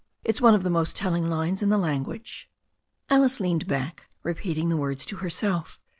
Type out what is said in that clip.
It's one of the most telling lines in the language." Alice leaned back, repeating the words to herself.